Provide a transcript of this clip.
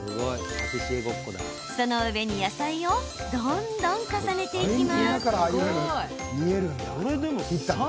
その上に野菜をどんどん重ねていきます。